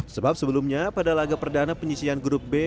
sebab sebelumnya pada laga perdana penyisian grup b